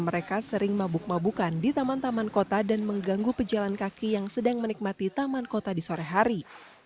mereka sering mabuk mabukan di taman taman kota dan mengganggu pejalan kaki yang sedang menikmati taman kota di sore hari